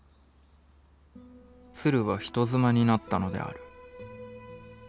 鶴は人妻になったのである。